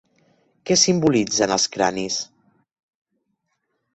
Què simbolitzen els cranis?